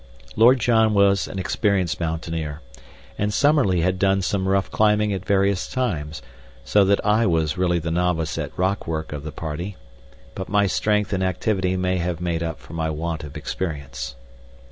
Lord John was an experienced mountaineer, and Summerlee had done some rough climbing at various times, so that I was really the novice at rock work of the party; but my strength and activity may have made up for my want of experience.